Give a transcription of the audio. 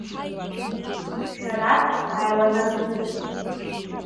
Шәарак сааиланарӡыӡеит.